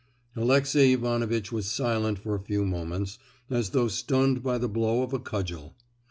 Alexey Ivanovitch was silent for a few moments, as though stunned by the blow of a cudgel.